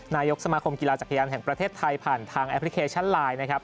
นายกสมาคมกีฬาจักรยานแห่งประเทศไทยผ่านทางแอปพลิเคชันไลน์นะครับ